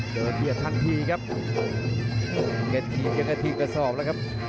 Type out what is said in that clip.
เดินเบียดทันทีครับเกิดทีมเกิดทีมกับสอบแล้วครับ